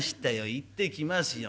行ってきますよ。